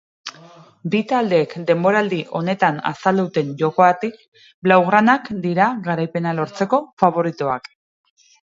Bi taldeek denboraldi honetan azaldu duten jokoagatik, blaugranak dira garaipena lortzeko faboritoak.